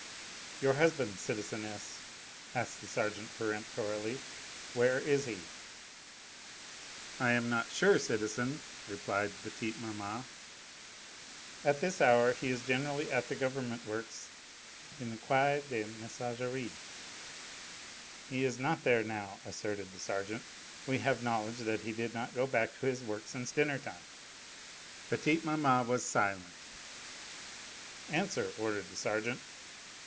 "Your husband, citizeness," asked the sergeant peremptorily, "where is he?" "I am not sure, citizen," replied petite maman. "At this hour he is generally at the government works in the Quai des Messageries." "He is not there now," asserted the sergeant. "We have knowledge that he did not go back to his work since dinner time." Petite maman was silent. "Answer," ordered the sergeant.